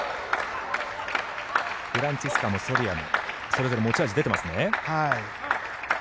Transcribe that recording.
フランツィスカもソルヤもそれぞれ持ち味が出てますね。